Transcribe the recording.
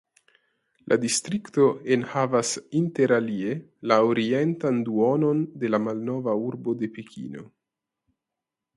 La distrikto enhavas interalie la orientan duonon de la malnova urbo de Pekino.